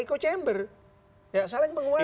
echo chamber ya saling menguasai